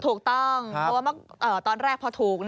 ถูกต้องเพราะว่าตอนแรกพอถูก